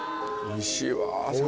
おいしいわ山椒。